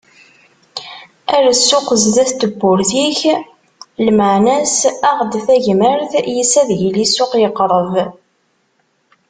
Err ssuq sdat n tewwurt-ik lmeɛna-as, aɣ-d tagmert, yes-s ad yili ssuq yeqreb.